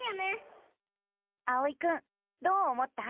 あおいくんどう思った？